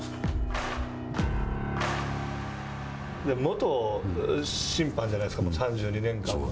元審判じゃないですか３２年間も。